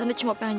aku mau pergi